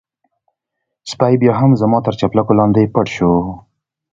سپی بيا هم زما تر چپلکو لاندې پټ شو.